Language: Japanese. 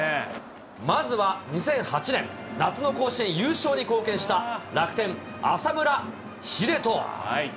まずは２００８年、夏の甲子園優勝に貢献した楽天、浅村栄斗。